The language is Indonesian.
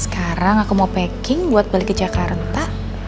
sekarang aku mau packing buat balik ke jakarta